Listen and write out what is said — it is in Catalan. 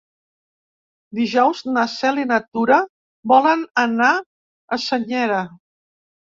Dijous na Cel i na Tura volen anar a Senyera.